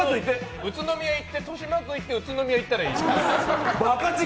宇都宮行って豊島区行って宇都宮行ったらいい。